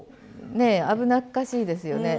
ねえ危なっかしいですよね。